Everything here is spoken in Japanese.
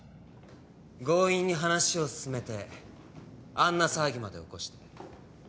強引に話を進めてあんな騒ぎまで起こして。